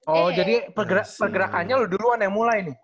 oh jadi pergerakannya duluan yang mulai nih